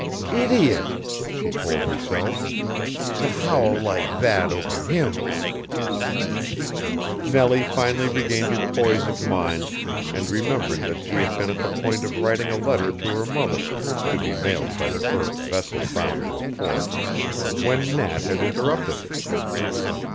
"Idiot!" she told herself. "To howl like that over him!" Nellie finally regained her poise of mind and remembered that she had been at the point of writing a letter to her mother (to be mailed by the first vessel bound to a port) when Nat had interrupted her.